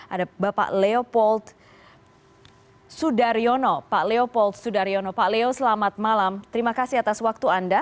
ada bapak leopold sudaryono pak leopold sudaryono pak leo selamat malam terima kasih atas waktu anda